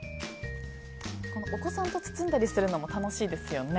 お子さんと包んだりするのも楽しいですよね。